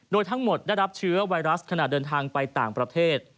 โดยทั้งหมดได้รับเชื้อไวรัสขณะเดินทางไปต่างประเทศ